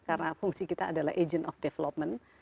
karena fungsi kita adalah agent of development